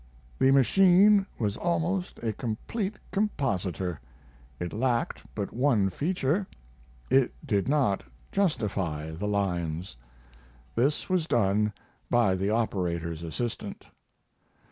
The machine was almost a complete compositor; it lacked but one feature it did not "justify" the lines. This was done by the operator's assistant.